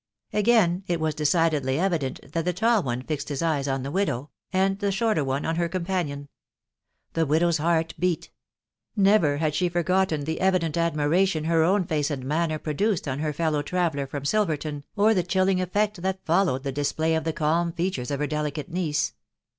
Again it was decidedly evident that the tall one fixed his eyes on the widow, and the shorter one on her companion. The widow's heart beat. Never had she forgotten the evident admiration her own face and manner produced on her fellow traveller from Silverton, or the chilling effect that followed the display of the calm features of her delicate niece.